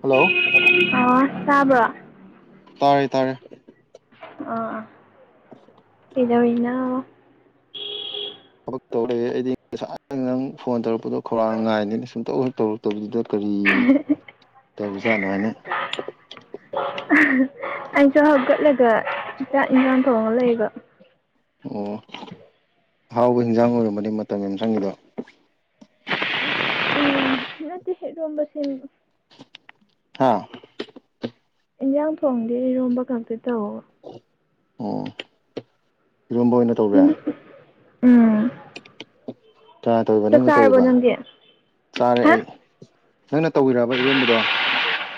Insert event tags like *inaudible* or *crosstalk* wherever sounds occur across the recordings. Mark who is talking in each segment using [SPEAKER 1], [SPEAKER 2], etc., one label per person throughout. [SPEAKER 1] hello
[SPEAKER 2] ꯑ ꯆꯥꯕ
[SPEAKER 1] ꯇꯥꯔꯦ ꯇꯥꯔꯦ
[SPEAKER 2] ꯑ ꯑꯥ
[SPEAKER 1] *inaudible*
[SPEAKER 2] ꯀꯗꯩꯅ
[SPEAKER 1] ꯊꯕꯛ ꯇꯧꯔꯛꯑꯦ ꯑꯩꯗꯤ ꯉꯁꯥꯏ ꯅꯪ ꯐꯣꯟ ꯇꯧꯔꯛꯄꯗꯣ ꯈꯧꯔꯥꯡꯅ ꯉꯥꯏꯅꯤꯅ ꯁꯨꯝ ꯇꯧꯎꯁꯨꯛ ꯇꯧꯔ ꯇꯧꯕꯗꯨꯗ ꯀꯔꯤ ꯇꯧꯧꯕꯖꯥꯠꯅꯃꯥꯏꯅ
[SPEAKER 2] ꯑꯩꯁꯨ ꯍꯥꯞꯀꯠꯂꯒ ꯆꯥꯛ ꯏꯟꯁꯥꯡ ꯊꯣꯡꯉ ꯂꯩꯌꯦꯕ
[SPEAKER 1] ꯑꯣ ꯑꯍꯥꯎꯕ ꯍꯟꯖꯥꯡ ꯑꯣꯏꯔꯝꯃꯅꯤ ꯃꯇꯝ ꯌꯥꯝ ꯆꯪꯕꯗꯣ
[SPEAKER 2] ꯎꯝ ꯅꯠꯇꯦ ꯔꯝꯕꯁ
[SPEAKER 1] ꯍꯥꯥ
[SPEAKER 2] ꯏꯟꯖꯥꯡ ꯊꯣꯡꯗꯤ ꯏꯔꯣꯝꯕ ꯈꯛꯇ ꯇꯧ
[SPEAKER 1] ꯎꯝ ꯏꯕ ꯑꯣꯏꯅ ꯇꯧꯔꯦ
[SPEAKER 2] ꯎꯝ
[SPEAKER 1] ꯀꯃꯥꯏꯅ ꯇꯧꯕ
[SPEAKER 2] ꯆꯥꯛ
[SPEAKER 1] ꯅꯪꯅ
[SPEAKER 2] ꯆꯥꯔꯕꯣ
[SPEAKER 1] ꯇꯧꯔꯤꯕ
[SPEAKER 2] ꯅꯪꯗꯤ
[SPEAKER 1] ꯆꯥꯔꯦ
[SPEAKER 2] ꯍꯥ
[SPEAKER 1] ꯑꯩ ꯅꯪꯅ ꯇꯧꯕꯤꯕ ꯏꯔꯣꯟꯝꯕꯗꯣ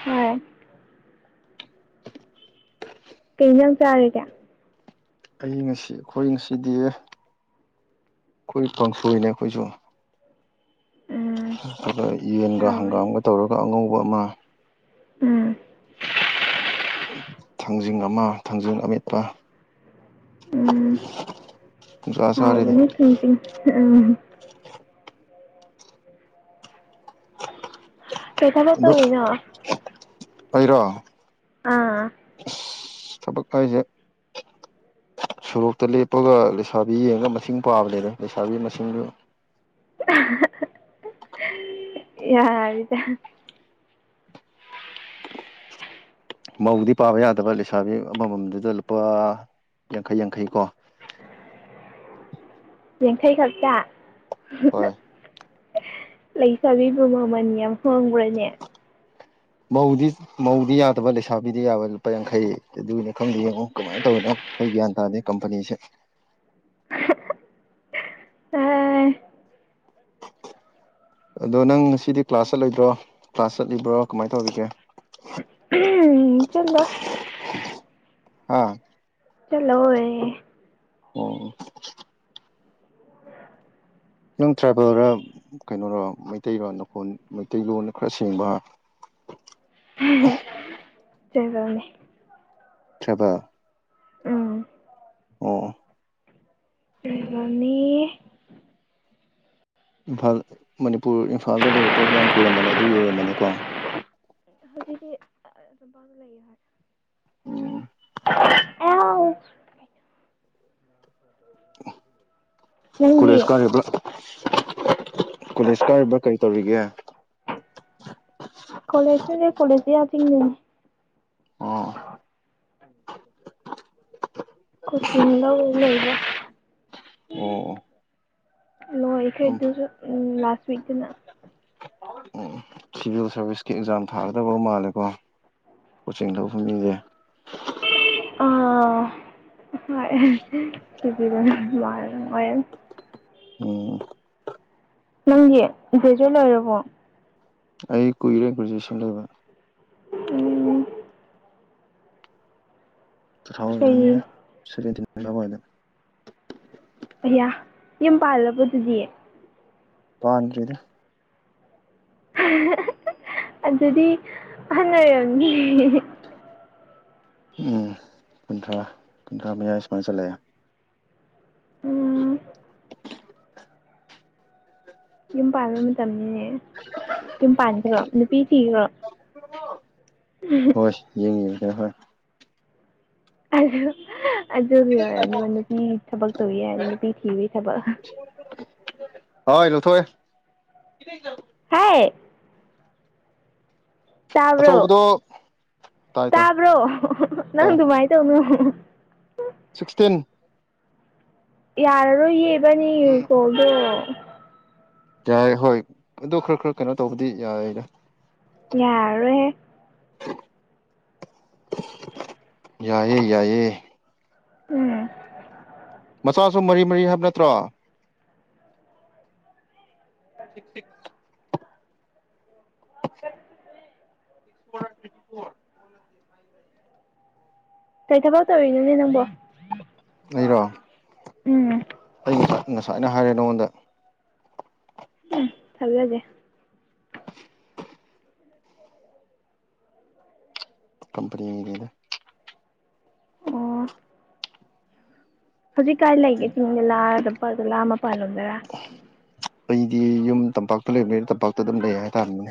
[SPEAKER 2] ꯎꯝ ꯀꯩ ꯌꯥꯝ ꯆꯥꯔꯒꯦ
[SPEAKER 1] ꯑꯩ ꯉꯁꯤ ꯑꯩꯈꯣꯏ ꯉꯁꯤꯗꯤ ꯑꯩꯈꯣꯏ ꯄꯐꯣꯏꯅꯦ ꯑꯩꯈꯣꯏꯁꯨ
[SPEAKER 2] ꯎꯝ
[SPEAKER 1] ꯅꯠꯇ꯭ꯔꯒ ꯌꯦꯟꯒ
[SPEAKER 2] ꯍꯥꯎꯔꯦ
[SPEAKER 1] ꯍꯪꯒꯥꯝꯒ ꯇꯧꯔꯒ ꯑꯉꯧꯕ ꯑꯃ
[SPEAKER 2] ꯎꯝ
[SPEAKER 1] ꯊꯥꯡꯖꯤꯡ ꯑꯃ ꯊꯥꯡꯖꯤꯡ ꯑꯃꯠꯄ
[SPEAKER 2] ꯎꯝ ꯍꯥꯎꯕꯅꯦ ꯊꯖ ꯎꯝ ꯄꯩꯊꯥꯕ ꯇꯃꯤꯅ
[SPEAKER 1] ꯂꯩꯔꯣ
[SPEAKER 2] ꯑꯥ
[SPEAKER 1] ꯊꯕꯛ ꯍꯥꯏꯁꯦ ꯁꯣꯔꯣꯛꯇ ꯂꯦꯞꯄꯒ ꯂꯩꯁꯥꯕꯤ ꯌꯦꯡꯉꯒ ꯃꯁꯤꯡ ꯄꯥꯕ ꯂꯩꯔꯦ ꯂꯩꯁꯥꯕꯤ ꯃꯁꯤꯡꯗꯨ
[SPEAKER 2] ꯌꯥ ꯍꯥꯏꯗ
[SPEAKER 1] ꯃꯧꯗꯤ ꯄꯥꯕ ꯌꯥꯗꯕ ꯂꯩꯁꯥꯕꯤ ꯑꯃꯃꯝꯗꯨꯗ ꯂꯨꯄꯥ ꯌꯥꯡꯈꯩ ꯌꯥꯡꯈꯩ ꯀꯣ
[SPEAKER 2] ꯌꯦꯡꯈꯥꯏ ꯈꯞꯁꯥ
[SPEAKER 1] ꯍꯣꯏ
[SPEAKER 2] ꯂꯩ ꯆꯕꯤꯕꯨ ꯃꯃꯜ ꯌꯥꯝ ꯍꯣꯡꯈ꯭ꯔꯅꯦ
[SPEAKER 1] ꯃꯧꯗꯤ ꯃꯧꯗꯤ ꯌꯥꯗꯕ ꯂꯩꯁꯥꯕꯤꯗꯤ ꯌꯥꯕ ꯂꯨꯄꯥ ꯌꯥꯡꯈꯩ ꯑꯗꯨꯒꯤꯅꯤ ꯈꯪꯗꯦ ꯌꯦꯡꯉꯣ ꯀꯃꯥꯏꯅ ꯇꯧꯔꯤꯤꯅꯣ ꯑꯩꯈꯣꯏ ꯒ꯭ꯌꯥꯟ ꯇꯥꯗꯦ ꯀꯝꯄꯅꯤꯁꯦ
[SPEAKER 2] ꯑ
[SPEAKER 1] ꯑꯗꯣ ꯅꯪ ꯉꯁꯤꯗꯤ ꯀ꯭ꯂꯥꯁ ꯆꯠꯂꯣꯏꯗ꯭ꯔꯣ ꯀ꯭ꯂꯥꯁ ꯆꯠꯂꯤꯕ꯭ꯔꯣ ꯀꯃꯥꯏꯅ ꯇꯧꯔꯤꯒꯦ
[SPEAKER 2] ꯎꯝ ꯆꯂ
[SPEAKER 1] ꯑꯥ
[SPEAKER 2] ꯆꯂꯣꯌꯦ
[SPEAKER 1] ꯑꯣ ꯅꯪ ꯇ꯭ꯔꯥꯏꯕꯦꯜꯔ ꯀꯩꯅꯔꯣ ꯃꯩꯇꯩꯔꯣꯟ ꯅꯈꯣꯟ ꯃꯩꯇꯩꯂꯣꯟꯅ ꯈꯔ ꯁꯦꯡꯕ
[SPEAKER 2] ꯆꯀꯅꯤ
[SPEAKER 1] *unintelligible*
[SPEAKER 2] ꯎꯝ
[SPEAKER 1] ꯑꯣ
[SPEAKER 2] *unintelligible*
[SPEAKER 1] ꯏꯝꯐꯥꯜ ꯃꯅꯤꯄꯨꯔ ꯏꯝꯐꯥꯜꯗ ꯂꯩꯔꯛꯄꯒ ꯌꯥꯝ ꯀꯨꯏꯔꯝꯃꯅꯤ ꯑꯗꯨꯒꯤ ꯑꯣꯏꯔꯝꯃꯅꯤꯀꯣ
[SPEAKER 2] ꯍꯧꯖꯤꯛꯇꯤ *unintelligible* ꯂꯩ ꯍꯥꯏ
[SPEAKER 1] *inaudible*
[SPEAKER 2] *unintelligible* ꯅꯪꯗꯤ
[SPEAKER 1] ꯀꯣꯂꯦꯖ ꯀꯥꯔꯤꯕ꯭ꯔ ꯀꯣꯂꯦꯖ ꯀꯥꯔꯤꯕ꯭ꯔꯥ ꯀꯔꯤ ꯇꯧꯔꯤꯒꯦ
[SPEAKER 2] ꯀꯣꯂꯦꯖ ꯆꯠꯂꯤ ꯀꯣꯂꯦꯖꯇꯤ ꯑꯥ ꯆꯤꯡꯗꯅꯤ
[SPEAKER 1] ꯑꯣ
[SPEAKER 2] ꯀꯣꯆꯤꯡ ꯂꯧꯔ ꯂꯩꯕ
[SPEAKER 1] ꯑꯣ
[SPEAKER 2] ꯂꯣꯏꯈ꯭ꯔꯦ
[SPEAKER 1] ꯑꯗꯨꯝ
[SPEAKER 2] ꯑꯗꯨꯁꯨ ꯂꯥꯁꯋꯤꯛꯇꯅ
[SPEAKER 1] ꯎꯝ ꯁꯤꯚꯤꯜ ꯁꯥꯔꯚꯤꯁꯀꯤ ꯑꯦꯛꯖꯥꯝ ꯊꯥꯒꯗꯕ ꯃꯥꯜꯂꯦꯀꯣ ꯀꯣꯆꯤꯡ ꯇꯧꯕ ꯃꯤꯁꯦ
[SPEAKER 2] ꯑꯥ ꯍꯣꯏ *unintelligible*
[SPEAKER 1] ꯎꯝ
[SPEAKER 2] ꯅꯪꯗꯤ ꯒ꯭ꯔꯦꯖꯨꯋꯦꯠ ꯑꯣꯏꯔꯕꯣ
[SPEAKER 1] ꯑꯩ ꯀꯨꯏꯔꯦ ꯒ꯭ꯔꯦꯖꯨꯑꯦꯁꯟ ꯂꯣꯏꯕ
[SPEAKER 2] ꯎꯝ
[SPEAKER 1] ꯇꯨ ꯊꯥꯎꯖꯟ
[SPEAKER 2] ꯀꯩ
[SPEAKER 1] ꯁꯚꯦꯟꯇꯤꯟ ꯑꯗꯋꯥꯏꯗ
[SPEAKER 2] ꯑꯌꯥ ꯌꯨꯝ ꯄꯥꯜꯂꯕꯣ ꯗꯨꯗꯤ
[SPEAKER 1] ꯄꯥꯟꯗ꯭ꯔꯤꯗ
[SPEAKER 2] ꯑꯗꯨꯗꯤ ꯑꯍꯟ ꯑꯣꯏꯔꯝꯅꯤ
[SPEAKER 1] ꯎꯝ ꯀꯨꯟꯊ꯭ꯔꯥ ꯀꯨꯟꯊ꯭ꯔꯥ ꯃꯌꯥ ꯁꯨꯃꯥꯏ ꯆꯂꯦ
[SPEAKER 2] ꯎꯝ
[SPEAKER 1] *inaudible*
[SPEAKER 2] ꯌꯨꯝ ꯄꯥꯟꯕ ꯃꯇꯝꯅꯤꯅꯦ ꯌꯨꯝ ꯄꯥꯟꯈ꯭ꯔꯣ ꯅꯨꯄꯤ ꯊꯤꯈ꯭ꯔꯣ
[SPEAKER 1] *unintelligible*
[SPEAKER 2] ꯑꯗꯨ ꯑꯗꯨꯒꯤ ꯑꯣꯏꯔꯝꯅꯤꯕ ꯅꯨꯄꯤ ꯊꯕꯛ ꯇꯧꯋꯦ ꯍꯥꯏ ꯅꯨꯄꯤ ꯊꯤꯕꯩ ꯊꯕꯛ
[SPEAKER 1] ꯍꯣꯏ ꯂꯧꯊꯣꯛꯑꯦ
[SPEAKER 2] ꯍꯥꯏ ꯇꯥꯕ꯭ꯔꯣ
[SPEAKER 1] ꯑꯆꯧꯕꯗꯣ ꯇꯥꯏ ꯇꯥꯏ
[SPEAKER 2] ꯇꯥꯕ꯭ꯔꯣ ꯅꯪ
[SPEAKER 1] ꯇꯥꯏ
[SPEAKER 2] ꯑꯗꯨꯃꯥꯏꯅ ꯇꯧꯅꯨ
[SPEAKER 1] ꯁꯤꯛꯁꯇꯤꯟ
[SPEAKER 2] ꯌꯥꯔꯔꯣꯏꯌꯦ ꯏꯕꯥꯟꯅꯤꯒꯤ
[SPEAKER 1] ꯎꯝ
[SPEAKER 2] ꯀꯣꯜꯗꯣ
[SPEAKER 1] ꯌꯥꯏ ꯍꯣꯏ ꯑꯣ ꯈꯔ ꯈꯔ ꯀꯩꯅꯣ ꯇꯧꯕꯗꯤ ꯌꯥꯏꯌꯦꯗ
[SPEAKER 2] ꯌꯥꯔꯣꯏꯍꯦ
[SPEAKER 1] ꯌꯥꯏꯌꯦ ꯌꯥꯏꯌꯦ
[SPEAKER 2] ꯎꯝ
[SPEAKER 1] ꯃꯆꯥꯁꯨ ꯃꯔꯤ ꯃꯔꯤ ꯍꯥꯏꯕ ꯅꯠꯇ꯭ꯔꯣ *inaudible*
[SPEAKER 2] *inaudible*
[SPEAKER 1] *inaudible*
[SPEAKER 2] ꯀꯩ ꯊꯕꯛ ꯇꯧꯔꯤꯅꯣꯅꯦ ꯅꯪꯕꯣ
[SPEAKER 1] ꯑꯩꯔꯣ
[SPEAKER 2] ꯎꯝ
[SPEAKER 1] ꯑꯩ ꯉꯁꯥꯏ ꯉꯁꯥꯏꯅ ꯍꯥꯏꯔꯦ ꯅꯉꯣꯟꯗ
[SPEAKER 2] ꯎꯝ ꯊꯥꯖꯗꯦ
[SPEAKER 1] ꯀꯝꯄꯅꯤꯒꯤꯅꯤꯗ
[SPEAKER 2] ꯑꯣ ꯍꯧꯖꯤꯛ ꯀꯥꯏ ꯂꯩꯒꯦ *unintelligible* ꯃꯄꯥꯟ ꯂꯣꯝꯗꯔꯥ
[SPEAKER 1] ꯑꯩꯗꯤ ꯌꯨꯝ ꯇꯝꯄꯥꯛꯇ ꯂꯩꯕꯅꯤꯅ ꯇꯝꯄꯥꯛꯇ ꯑꯗꯨꯝ ꯂꯩ ꯍꯥꯏꯇꯥꯕꯅꯤꯅꯦ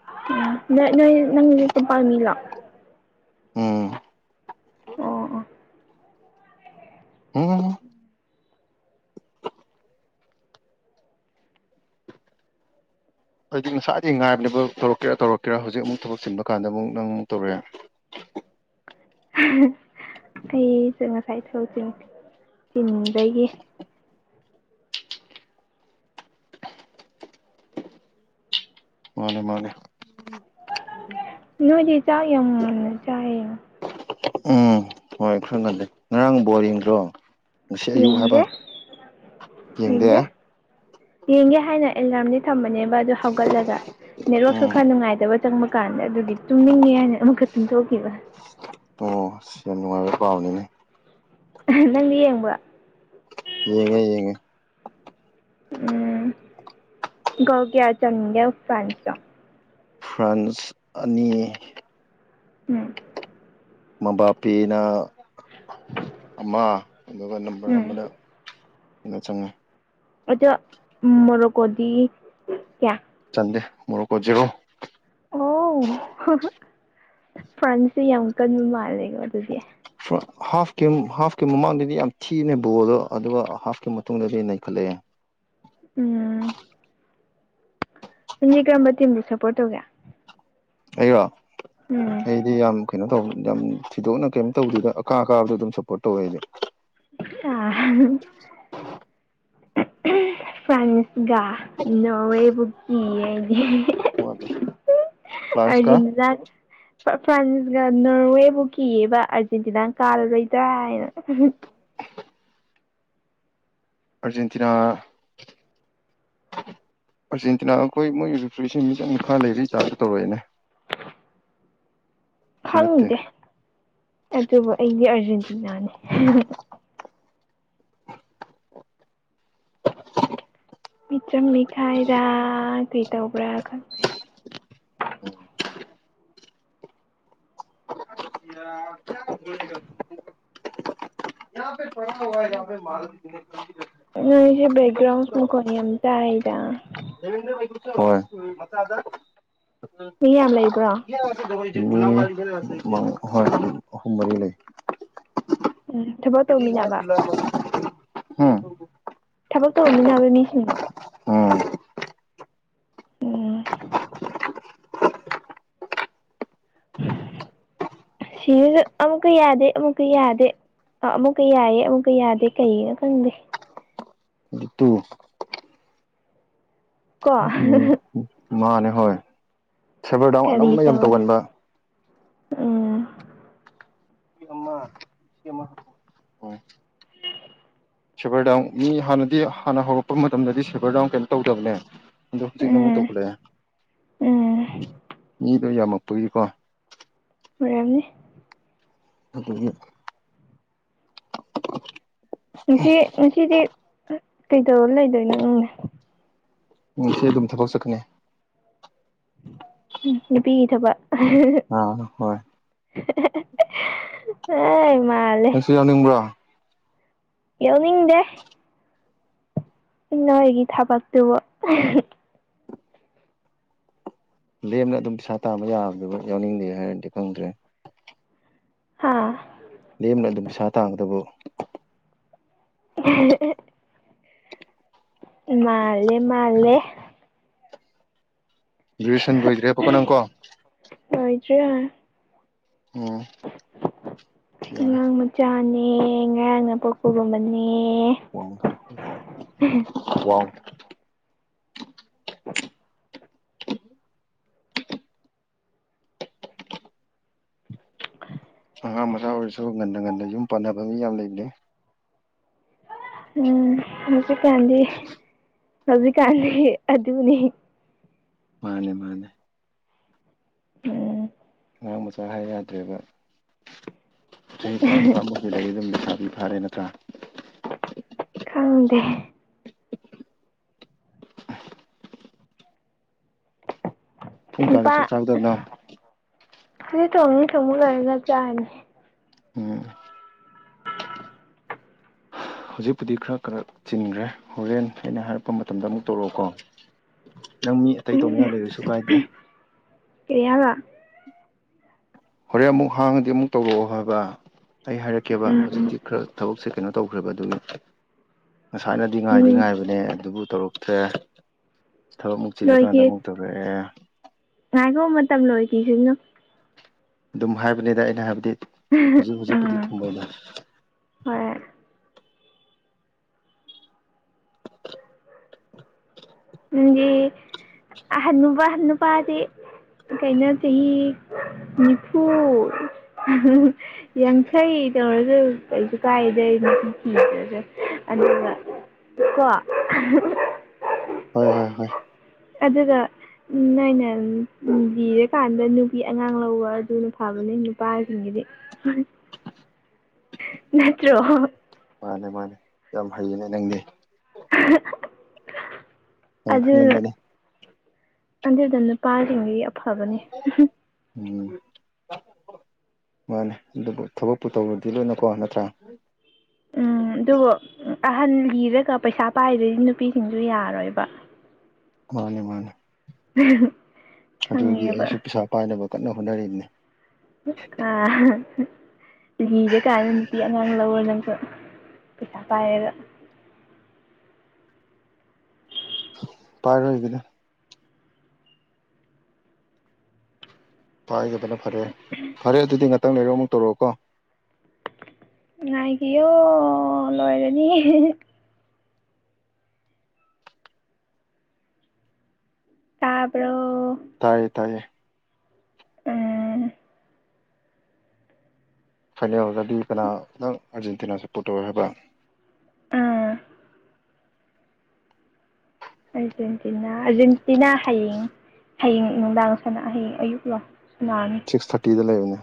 [SPEAKER 2] *unintelligible*
[SPEAKER 1] ꯎꯝ
[SPEAKER 2] ꯑꯣ ꯑꯣ
[SPEAKER 1] *unintelligible* ꯑꯩꯗꯤ ꯉꯁꯥꯏꯗꯤ ꯉꯥꯏꯕꯅꯦꯕ ꯇꯧꯔꯛꯀꯦꯔꯥꯧꯔꯛꯀꯦꯔꯥ ꯍꯧꯖꯤꯛ ꯑꯃꯨꯛ ꯊꯕꯛ ꯁꯤꯟꯕ ꯀꯥꯟꯗ ꯑꯃꯨꯛꯪ ꯇꯧꯔꯛꯦ
[SPEAKER 2] ꯑꯩꯁꯨ ꯉꯁꯥꯏ ꯊꯕꯥꯛ ꯆꯤꯟꯕꯒꯤ
[SPEAKER 1] ꯃꯥꯅꯦ ꯃꯥꯅꯦ
[SPEAKER 2] ꯅꯣꯏꯗꯤ ꯆꯤꯛ ꯌꯥꯝ ꯌꯥꯝ ꯆꯥꯌꯦ
[SPEAKER 1] ꯎꯝ ꯍꯣꯏ ꯈꯔꯥ ꯉꯥꯂꯦ ꯉꯔꯪ ꯕꯣꯜ ꯌꯦꯡꯗ꯭ꯔꯣ ꯉꯁꯤ ꯑꯌꯨꯛ
[SPEAKER 2] ꯌꯦꯡꯗꯦ
[SPEAKER 1] ꯍꯥꯏꯕ
[SPEAKER 2] ꯌꯦꯡꯗꯦ ꯌꯦꯡꯒꯦ ꯍꯥꯏꯅ ꯑꯦꯂꯥꯔꯝꯗꯤ ꯊꯝꯕꯅꯦꯕ ꯑꯗꯨ ꯍꯧꯒꯠꯂꯒ ꯅꯦꯠꯋꯥꯛꯁꯨ
[SPEAKER 1] ꯎꯝ
[SPEAKER 2] ꯈꯔ ꯅꯨꯡꯉꯥꯏꯇꯕ ꯆꯪꯕ ꯀꯥꯟꯗ ꯑꯗꯨꯗꯤ ꯇꯨꯝꯅꯤꯡꯉꯦ ꯍꯥꯏꯅ ꯑꯃꯛꯈꯛ ꯇꯨꯝꯊꯣꯛꯈꯤꯕ
[SPEAKER 1] ꯑꯣ ꯁꯤ ꯌꯥꯝ ꯅꯨꯡꯉꯥꯏꯕ ꯄꯥꯝꯅꯤꯅꯦ
[SPEAKER 2] ꯅꯪꯗꯤ ꯌꯦꯡꯕꯔꯥ
[SPEAKER 1] ꯌꯦꯡꯉꯦ ꯌꯦꯡꯉꯦ
[SPEAKER 2] ꯎꯝ ꯒꯌꯥ ꯆꯟꯒꯦ ꯐ꯭ꯔꯥꯟꯁꯇꯣ
[SPEAKER 1] ꯐ꯭ꯔꯥꯟꯁ ꯑꯅꯤ
[SPEAKER 2] ꯎꯝ
[SPEAKER 1] ꯃꯕꯥ ꯄꯦꯅ ꯑꯃ ꯑꯗꯨꯒ ꯅꯝꯕꯔ
[SPEAKER 2] ꯎꯝ
[SPEAKER 1] ꯑꯃꯅ *unintelligible* ꯆꯉꯣꯏ
[SPEAKER 2] ꯑꯗ ꯃꯣꯔꯣꯀꯣꯗꯤ ꯀꯌꯥ
[SPEAKER 1] ꯆꯥꯟꯗꯦ ꯃꯣꯔꯣꯛ ꯖꯦꯔꯣ
[SPEAKER 2] ꯑꯣ ꯐ꯭ꯔꯥꯟꯁꯁꯦ ꯌꯥꯝ ꯀꯟꯕ ꯃꯥꯜꯂꯦꯀꯣ ꯑꯗꯨꯗꯤ
[SPEAKER 1] ꯍꯥꯐꯀꯤ ꯍꯥꯐꯀꯤ ꯃꯃꯥꯡꯗꯗꯤ ꯌꯥꯝ ꯊꯤꯅ ꯕꯣꯜꯗꯣ ꯑꯗꯨꯒ ꯍꯥꯐꯀꯤ ꯃꯇꯨꯡꯗꯗꯤ ꯅꯩꯈꯠꯂꯛꯑꯦ
[SPEAKER 2] ꯎꯝ ꯗꯤ ꯀꯔꯝꯕ ꯇꯤꯝ ꯁꯞꯄꯣꯔꯠ ꯇꯧꯒꯦ
[SPEAKER 1] ꯑꯩꯔ
[SPEAKER 2] ꯎꯝ
[SPEAKER 1] ꯑꯩ ꯁꯤ ꯌꯥꯝ ꯀꯩꯅꯣ ꯇꯧ ꯌꯥꯝ ꯊꯤꯗꯣꯛꯅ ꯀꯩꯝ ꯇꯧꯗꯗ ꯑꯀꯥ ꯑꯀꯥꯕꯗꯣ ꯑꯗꯨꯝ ꯁꯞꯄꯣꯔꯠ ꯇꯧꯋꯦ ꯍꯥꯏꯗꯤ
[SPEAKER 2] ꯑꯥ
[SPEAKER 1] *unintelligible*
[SPEAKER 2] ꯐ꯭ꯔꯥꯟꯁꯒ ꯅꯣꯔꯋꯦꯕꯨ ꯀꯤꯌꯦ ꯗꯤ
[SPEAKER 1] *unintelligible* ꯋꯥꯗꯦ
[SPEAKER 2] ꯑꯔꯖꯤꯟꯇꯤꯅꯥ ꯐ꯭ꯔꯥꯟꯁꯒ ꯅꯣꯔꯋꯦꯕꯨ ꯀꯤꯌꯦꯕ ꯑꯥꯔꯖꯦꯟꯇꯤꯅꯥ ꯀꯥꯜꯂꯔꯣꯏꯗ꯭ꯔꯥ ꯍꯥꯏꯅ
[SPEAKER 1] *unintelligible* ꯑꯔꯖꯦꯟꯇꯤꯅꯥ ꯑꯥꯔꯖꯦꯟꯇꯤꯅꯥ ꯑꯩꯈꯣꯏ ꯃꯣꯏꯒꯤ ꯔꯤꯐ꯭ꯨꯔꯤꯁꯤ ꯃꯤꯆꯪ ꯃꯈꯥ ꯂꯩꯔꯤ ꯆꯥꯁꯨ ꯇꯧꯔꯛꯏꯦꯅꯦ ꯁꯤ ꯅꯠꯇꯦ
[SPEAKER 2] ꯈꯪꯗꯦ ꯑꯗꯨꯕꯨ ꯑꯩꯗꯤ ꯑꯥꯔꯖꯦꯟꯇꯤꯅꯥꯅꯤ ꯃꯤꯆꯪ ꯃꯤꯈꯥꯏꯔ ꯀꯩꯗꯧꯕ꯭ꯔꯥ ꯈꯪꯗꯦ
[SPEAKER 1] *unintelligible* *unintelligible*
[SPEAKER 2] ꯅꯣꯏꯁꯦ ꯕꯦꯛꯒ꯭ꯔꯥꯎꯟꯁ ꯃꯈꯈꯣꯟꯅꯤ ꯌꯥꯝ ꯆꯥꯏꯗ
[SPEAKER 1] *unintelligible*
[SPEAKER 2] ꯃꯤ ꯌꯥꯝ ꯂꯩꯕ꯭ꯔꯣ
[SPEAKER 1] ꯍꯣꯏ ꯑꯍꯨꯝ ꯃꯔꯤ ꯂꯩ
[SPEAKER 2] ꯎꯝ ꯊꯕꯛ
[SPEAKER 1] ꯎꯝ
[SPEAKER 2] ꯇꯧꯃꯤꯟꯅꯕ ꯊꯕꯛ ꯇꯧꯃꯤꯟꯅꯕ ꯃꯤꯁꯤꯡꯂꯣ
[SPEAKER 1] ꯎꯝ
[SPEAKER 2] ꯎꯝ ꯁꯤꯁꯨ ꯑꯃꯨꯛꯀ ꯌꯥꯗꯦ ꯑꯃꯨꯛꯀ ꯌꯥꯗꯦ ꯑꯥ ꯑꯃꯨꯛꯀ ꯌꯥꯏꯌꯦ ꯑꯃꯨꯛꯀ ꯌꯥꯗꯦ ꯀꯩꯒꯤꯅꯣ ꯈꯪꯗꯦ
[SPEAKER 1] ꯇꯨ
[SPEAKER 2] ꯀꯣ
[SPEAKER 1] ꯎꯝ ꯃꯥꯅꯦ ꯍꯣꯏ ꯁꯦꯕꯔ ꯗꯥꯎꯟ
[SPEAKER 2] ꯀꯔꯤ
[SPEAKER 1] ꯑꯅꯝꯕ ꯌꯥꯝ
[SPEAKER 2] ꯇꯧ
[SPEAKER 1] ꯇꯧꯒꯟꯕ
[SPEAKER 2] ꯎꯝ
[SPEAKER 1] *unintelligible* ꯁꯦꯚꯔ ꯗꯥꯎꯟ ꯃꯤ ꯍꯥꯟꯅꯗꯤ ꯍꯥꯟꯅ ꯍꯧꯔꯛꯄ ꯃꯇꯝꯗꯗꯤ ꯁꯦꯚꯔ ꯗꯥꯎꯟ ꯀꯩꯝ ꯇꯧꯗꯕꯅꯦ ꯑꯗꯣ ꯍꯧꯖꯤꯛꯅ ꯑꯃꯨꯛ
[SPEAKER 2] ꯎꯝ
[SPEAKER 1] ꯇꯧꯈꯠꯂꯛꯑꯦ
[SPEAKER 2] ꯎꯝ
[SPEAKER 1] ꯃꯤꯗꯣ ꯌꯥꯝꯃꯛꯄꯒꯤꯀꯣ
[SPEAKER 2] ꯑꯣꯏꯔꯝꯅꯤ
[SPEAKER 1] *unintelligible*
[SPEAKER 2] ꯁꯤ ꯁꯤꯗꯤ ꯀꯩꯗꯧꯔ ꯂꯩꯗꯣꯏꯅꯣ ꯅꯪꯅꯦ
[SPEAKER 1] ꯁꯤ ꯑꯗꯨꯝ ꯊꯕꯛ ꯆꯠꯀꯅꯤ
[SPEAKER 2] ꯅꯨꯄꯤ ꯊꯕꯛ
[SPEAKER 1] ꯑꯥ ꯍꯣꯏ
[SPEAKER 2] ꯃꯥꯜꯂꯦ
[SPEAKER 1] ꯅꯪꯁꯨ ꯌꯥꯎꯅꯤꯡꯕ꯭ꯔꯣ
[SPEAKER 2] ꯌꯥꯎꯅꯤꯡꯗꯦ *unintelligible* ꯊꯥꯕꯛ ꯇꯨꯕꯨ
[SPEAKER 1] ꯂꯦꯝꯅ ꯑꯗꯨꯝ ꯄꯩꯁꯥ ꯇꯥꯕ ꯌꯥꯕꯗꯨ ꯌꯥꯎꯅꯤꯡꯗꯦ ꯍꯥꯏꯔꯗꯤ ꯈꯪꯗ꯭ꯔꯦ
[SPEAKER 2] ꯍꯥꯥ
[SPEAKER 1] ꯂꯦꯝꯅ ꯑꯗꯨꯝ ꯄꯩꯁꯥ ꯇꯥꯡꯒꯗꯕꯨ
[SPEAKER 2] *unintelligible* ꯃꯥꯂꯦ ꯃꯥꯂꯦ
[SPEAKER 1] ꯒꯦꯖꯨꯌꯦꯁꯟ ꯂꯣꯏꯒ꯭ꯔꯦꯕꯀꯣ ꯅꯪꯀꯣ
[SPEAKER 2] *unintelligible*
[SPEAKER 1] ꯎꯝ ꯌꯥꯔꯦ
[SPEAKER 2] ꯑꯉꯥꯡ ꯃꯆꯥꯅꯦ ꯉꯔꯥꯡ ꯅꯄꯣꯛꯄꯒꯨꯝꯕꯅꯦ
[SPEAKER 1] *unintelligible* ꯑꯉꯥꯡ ꯃꯆꯥ ꯑꯣꯏꯔꯁꯨ ꯉꯟꯅ ꯉꯟꯅ ꯌꯨꯝ ꯄꯥꯟꯅꯕ ꯃꯤ ꯌꯥꯝ ꯂꯩꯕꯅꯦ
[SPEAKER 2] ꯎꯝ ꯍꯧꯖꯤꯛꯀꯥꯟꯗꯤ ꯍꯧꯖꯤꯛꯀꯥꯟꯗꯤ ꯑꯗꯨꯅꯤ
[SPEAKER 1] ꯃꯥꯅꯦ ꯃꯥꯅꯦ
[SPEAKER 2] ꯎꯝ
[SPEAKER 1] ꯑꯉꯥꯡ ꯃꯆꯥ ꯍꯥꯏ ꯌꯥꯗ꯭ꯔꯦꯕ ꯆꯍꯤ ꯇꯔꯥꯄꯥꯥꯃ *unintelligible* ꯂꯩꯁꯥꯕꯤ ꯐꯥꯔꯦ ꯅꯠꯇ꯭ꯔꯥ
[SPEAKER 2] ꯈꯪꯗꯦ
[SPEAKER 1] ꯄꯨꯡ ꯀꯌꯥꯗ ꯆꯠ ꯆꯥꯒꯗꯕꯅꯣ
[SPEAKER 2] *unintelligible* ꯆꯥꯅꯤ
[SPEAKER 1] ꯎꯝ ꯍꯧꯖꯤꯛꯄꯨꯗꯤ ꯈꯔ ꯈꯔꯛ ꯆꯤꯟꯈ꯭ꯔꯦ ꯍꯣꯔꯦꯟ ꯑꯩꯅ ꯍꯥꯏꯔꯛꯄ ꯃꯇꯝꯗ ꯑꯃꯨꯛ ꯇꯧꯔꯛꯑꯣꯀꯣ ꯅꯪ ꯃꯤ ꯑꯇꯩ ꯇꯧꯅꯤꯡꯉꯥꯏ ꯂꯩꯔꯁꯨ ꯀꯥꯏꯗꯦ
[SPEAKER 2] ꯀꯩꯌꯥꯕ
[SPEAKER 1] ꯍꯣꯔꯦꯟ ꯑꯃꯨꯛ ꯍꯥꯡꯉꯗꯤ ꯑꯃꯨꯛ ꯇꯧꯔꯛꯑꯣ ꯍꯥꯏꯕ ꯑꯩ ꯍꯥꯏꯔꯛꯀꯦꯕ
[SPEAKER 2] ꯎꯝ
[SPEAKER 1] ꯍꯧꯖꯤꯛꯇꯤ ꯈꯔ ꯊꯕꯛꯁꯦ ꯀꯩꯅꯣ ꯇꯧꯈ꯭ꯔꯦꯕ ꯑꯗꯨꯒꯤ ꯉꯁꯥꯏꯅꯗꯤ ꯉꯥꯏꯗꯤ
[SPEAKER 2] ꯎꯝ
[SPEAKER 1] ꯉꯥꯏꯕꯅꯦ ꯑꯗꯨꯕꯨ ꯇꯧꯔꯛꯇ꯭ꯔꯦ ꯊꯕꯛꯃꯨꯛ ꯆꯤꯜꯂꯀꯥꯟꯗ ꯑꯃꯨꯛ ꯇꯧꯔꯛꯑꯦ
[SPEAKER 2] ꯉꯥꯏꯀꯣ ꯃꯇꯝ ꯂꯣꯏꯒꯤꯖꯅꯨ
[SPEAKER 1] ꯑꯗꯨꯝ ꯍꯥꯏꯕꯅꯤꯗ ꯑꯩꯅ ꯍꯥꯏꯕꯗꯤ ꯍꯧꯖꯤꯛ ꯍꯧꯖꯤꯛꯄꯨꯗꯤ
[SPEAKER 2] ꯎꯝ
[SPEAKER 1] ꯊꯝꯃꯣꯏꯗ
[SPEAKER 2] ꯍꯣꯏ *unintelligible* ꯍꯅꯨꯄꯥꯗꯤ ꯀꯩꯅ ꯆꯍꯤ ꯅꯤꯐꯨ ꯌꯥꯡꯈꯩ ꯇꯧꯔꯁꯨ ꯀꯩꯁꯨ ꯀꯥꯏꯗꯦ *unintelligible* ꯑꯗꯨꯒ ꯀꯣ
[SPEAKER 1] ꯍꯣꯏ ꯍꯣꯏ ꯍꯣꯏ
[SPEAKER 2] ꯑꯗꯨꯗ ꯎꯝ ꯅꯪꯩꯅ ꯖꯤꯔꯀꯥꯟꯗ ꯅꯨꯄꯤ ꯑꯉꯥꯡ ꯂꯧꯕ ꯑꯗꯨꯅ ꯐꯕꯅꯦ ꯅꯨꯄꯥꯁꯤꯡꯒꯤꯗꯤ ꯎ ꯅꯠꯇ꯭ꯔꯣ
[SPEAKER 1] ꯃꯥꯅꯦ ꯃꯥꯅꯦ ꯌꯥꯝ ꯍꯩꯌꯦꯅꯦ ꯅꯪꯗꯤ ꯌꯥꯝ
[SPEAKER 2] ꯑꯗꯨꯅ
[SPEAKER 1] ꯈꯪꯉꯝꯃꯦꯅꯦ
[SPEAKER 2] ꯑꯗꯨꯗ ꯅꯨꯄꯥꯁꯤꯡꯗꯤ ꯑꯐꯕꯅꯤ
[SPEAKER 1] ꯎꯝ ꯃꯥꯅꯦ ꯑꯗꯨꯕꯨ ꯊꯕꯛꯄꯨꯨ ꯇꯧꯔꯗꯤ ꯂꯣꯏꯅꯀꯣ ꯅꯠꯇ꯭ꯔꯥ
[SPEAKER 2] ꯎꯝ ꯑꯗꯨꯕꯨ ꯑꯍꯟ ꯂꯤꯔꯒ ꯄꯩꯁꯥ ꯄꯥꯏꯗꯗꯤ ꯅꯨꯄꯤꯁꯤꯡꯁꯨ ꯌꯥꯔꯣꯏꯕ
[SPEAKER 1] ꯃꯥꯅꯤ ꯃꯥꯅꯤ ꯑꯗꯨꯒꯤ
[SPEAKER 2] ꯈꯪꯉꯦꯕ
[SPEAKER 1] ꯑꯩꯁꯨ ꯄꯩꯁꯥ ꯄꯥꯏꯅꯕ ꯀꯟꯅ ꯍꯣꯠꯅꯔꯤꯅꯤ
[SPEAKER 2] ꯑ ꯂꯤꯔ ꯀꯥꯟꯗ ꯅꯨꯄꯤ ꯑꯉꯥꯡ ꯂꯧꯔꯣ ꯅꯪꯁꯨ ꯄꯩꯁꯥ ꯄꯥꯏꯔ
[SPEAKER 1] ꯄꯥꯏꯔꯣꯏꯒꯦꯗ ꯄꯥꯏꯗꯕꯅ ꯐꯔꯦ ꯐꯔꯦ ꯑꯗꯨꯗꯤ ꯉꯥꯛꯇꯪ ꯂꯩꯔ ꯑꯃꯨꯛ ꯇꯧꯔꯛꯑꯣꯀꯣ
[SPEAKER 2] ꯉꯥꯏꯕꯤꯑꯣ ꯂꯣꯏꯔꯅꯤ ꯇꯥꯕ꯭ꯔꯣ
[SPEAKER 1] ꯇꯥꯏꯌꯦ ꯇꯥꯏꯌꯦ
[SPEAKER 2] ꯎꯝ
[SPEAKER 1] ꯐꯥꯏꯅꯦꯜꯗꯗꯤ ꯀꯅꯥ ꯅꯪ ꯑꯥꯔꯖꯦꯟꯇꯤꯅꯥ ꯁꯞꯄꯣꯔꯠ ꯇꯧꯋꯦ ꯍꯥꯏꯕ
[SPEAKER 2] ꯑ ꯑꯔꯖꯦꯟꯇꯤꯅꯥ ꯑꯔꯖꯦꯟꯇꯤꯅꯥ ꯍꯌꯦꯡ ꯍꯌꯦꯡ ꯅꯨꯡꯗꯥꯡ ꯁꯅ ꯍꯌꯦꯡ ꯑꯌꯨꯛ ꯂꯣ ꯁꯥꯅꯥꯔꯅꯤ
[SPEAKER 1] ꯁꯤꯛꯁ ꯊꯥꯔꯇꯤꯗ ꯂꯩꯕꯅꯦ